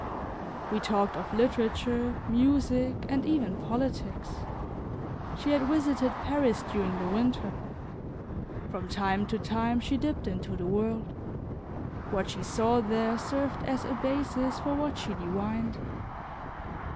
We talked of literature, music, and even politics. She had visited Paris during the winter; from time to time, she dipped into the world; what she saw there served as a basis for what she divined.